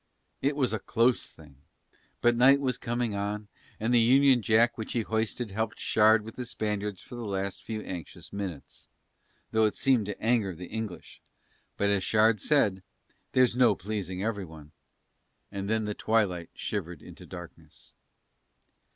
It was a close thing, but night was coming on, and the Union Jack which he hoisted helped Shard with the Spaniards for the last few anxious minutes, though it seemed to anger the English, but as Shard said, "There's no pleasing everyone," and then the twilight shivered into darkness.